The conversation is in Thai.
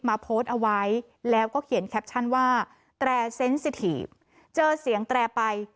มาโพสเอาไว้แล้วก็เขียนแคปชั่นว่าแสนสิทิฟเจอเสียงแตละไป